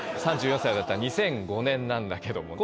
３４歳だった２００５年なんだけども。